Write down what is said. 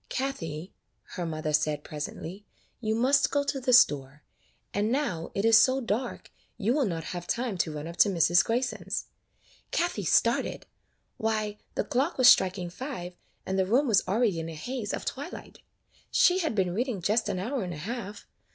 "Kathie," her mother said presently, ''you must go to the store; and now it is so dark, you will not have time to run up to Mrs. Grayson's.'' Kathie started. Why, the clock was strik ing five, and the room was already in a haze of twilight. She had been reading just an hour and a half.